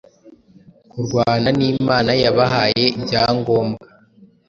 Kurwana nImana Yabahaye ibyangombwa